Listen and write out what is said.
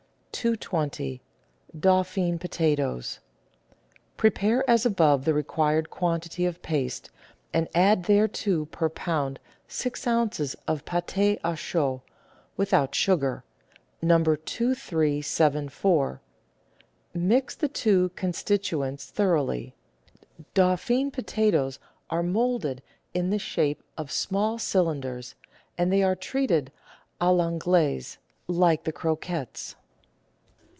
220— DAUPHINE POTATOES Prepare as above the required quantity of paste, and add thereto per lb. six oz. of pate k choux without sugar (No. 2374). Mix the two constituents thoroughly. Dauphine potatoes are moulded in the shape of small cylinders, and they are treated a I' Anglaise, like the croquettes.